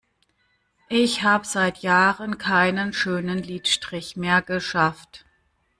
Ich hab seit Jahren keinen schönen Lidstrich mehr geschafft.